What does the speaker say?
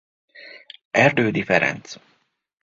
Erdődy Ferencz.